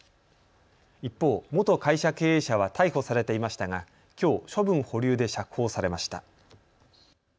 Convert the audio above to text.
一方、元会社経営者は逮捕されていましたが、きょう処分保留で釈放されました。